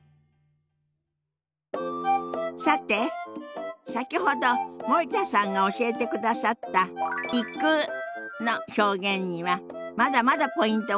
さて先ほど森田さんが教えてくださった「行く」の表現にはまだまだポイントがあるようよ。